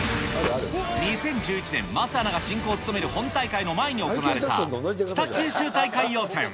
２０１１年、桝アナが進行を務める本大会の前に行われた北九州大会予選。